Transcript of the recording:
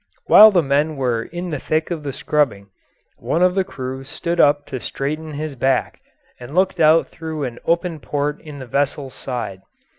While the men were in the thick of the scrubbing, one of the crew stood up to straighten his back, and looked out through an open port in the vessel's side.